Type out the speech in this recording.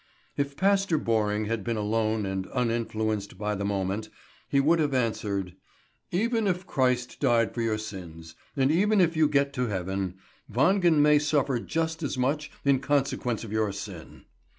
If Pastor Borring had been alone and uninfluenced by the moment, he would have answered: "Even if Christ died for your sins, and even if you get to heaven, Wangen may suffer just as much in consequence of your sin."